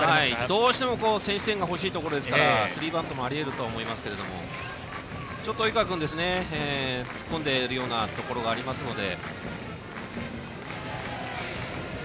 どうしても先取点が欲しいところですからスリーバントもあり得ると思いますが及川君は突っ込んでいるようなところがありますので。